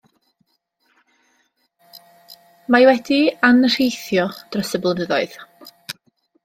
Mae wedi'i anrheithio dros y blynyddoedd.